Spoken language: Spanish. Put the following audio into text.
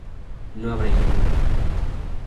no habréis bebido